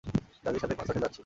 দাদীর সাথে কনসার্টে যাচ্ছি।